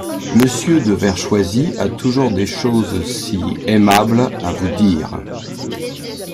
Monsieur de Vertchoisi a toujours des choses si aimables à vous dire !